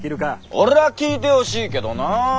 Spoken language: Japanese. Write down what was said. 俺は聞いてほしいけどなぁ。